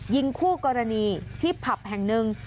ยิงคู่กรณีที่ผับแห่งหนึ่ง